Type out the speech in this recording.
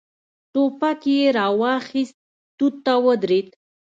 ټوپک يې را واخيست، توت ته ودرېد.